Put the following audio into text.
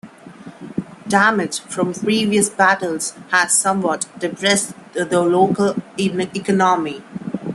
Damage from previous battles has somewhat depressed the local economy.